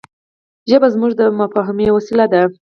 ژبه زموږ د مفاهيمي وسیله ده.